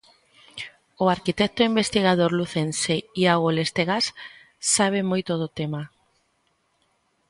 O arquitecto e investigador lucense Iago Lestegás sabe moito do tema.